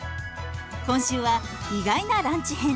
今週は意外なランチ編。